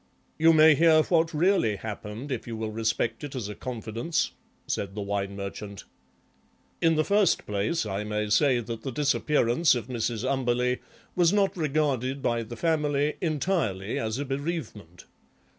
"You may hear what really happened if you will respect it as a confidence," said the Wine Merchant. "In the first place I may say that the disappearance of Mrs. Umberleigh was not regarded by the family entirely as a bereavement.